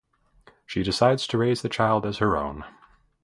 She decides to raise the child as her own.